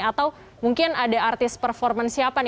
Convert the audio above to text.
atau mungkin ada artis performa siapa nih